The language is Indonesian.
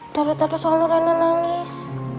dari tadi soalnya rena nangis